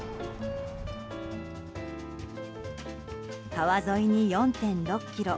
川沿いに４．６ｋｍ